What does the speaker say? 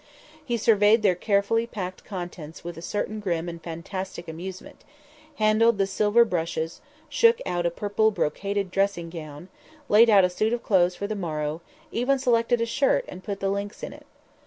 He surveyed their carefully packed contents with a certain grim and fantastic amusement, handled the silver brushes, shook out a purple brocaded dressing gown, laid out a suit of clothes for the morrow, even selected a shirt and put the links in it.